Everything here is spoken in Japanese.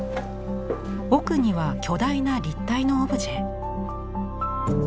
奥には巨大な立体のオブジェ。